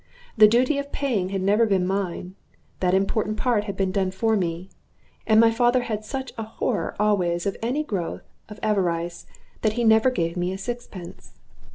The duty of paying had never been mine; that important part had been done for me. And my father had such a horror always of any growth of avarice that he never gave me sixpence.